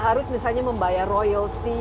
harus misalnya membayar royalti